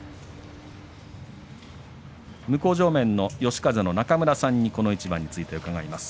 向正面の嘉風の中村さんにこの一番について伺います。